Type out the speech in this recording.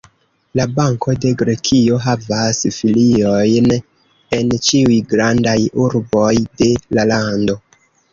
La Banko de Grekio havas filiojn en ĉiuj grandaj urboj de la lando.